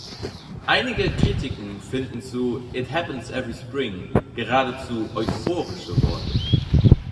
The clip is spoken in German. Einige Kritiken finden zu "It Happens Every Spring" geradezu euphorische Worte.